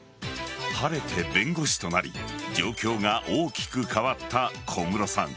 晴れて弁護士となり状況が大きく変わった小室さん。